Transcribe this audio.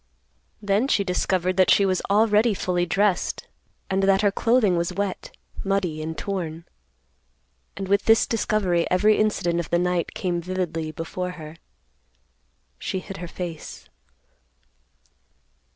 Then she discovered that she was already fully dressed, and that her clothing was wet, muddy and torn. And with this discovery every incident of the night came vividly before her. She hid her face.